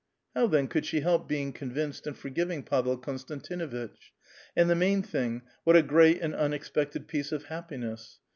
How then could she help being convinced and forgiving Pavel Konstantinuitch? And the main thing — what a great and unexpected piece of happiness